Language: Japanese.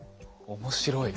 面白い。